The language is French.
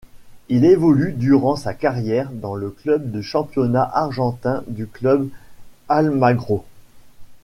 Il évolue durant sa carrière dans le club du championnat argentin du Club Almagro.